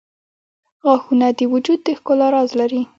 • غاښونه د وجود د ښکلا راز لري.